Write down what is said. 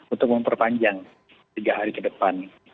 untuk memperpanjang tiga hari ke depan